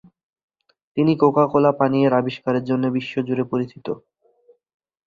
তিনি কোকা-কোলা পানীয়ের আবিষ্কারের জন্য বিশ্বজুড়ে পরিচিত।